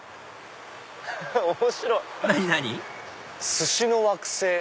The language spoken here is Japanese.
「寿司の惑星」。